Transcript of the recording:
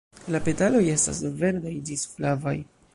La petaloj estas verdaj ĝis flavaj.